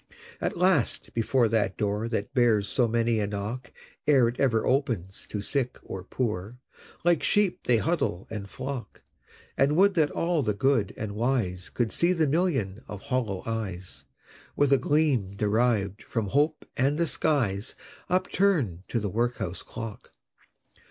At last, before that door That bears so many a knock Ere ever it opens to Sick or Poor, Like sheep they huddle and flock And would that all the Good and Wise Could see the Million of hollow eyes, With a gleam deriv'd from Hope and the skies, Upturn'd to the Workhouse Clock!